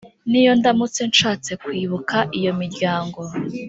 N’iyo ndamutse nshatse Kwibuka iyo miryango